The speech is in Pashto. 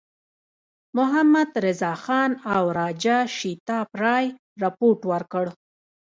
محمدرضاخان او راجا شیتاب رای رپوټ ورکړ.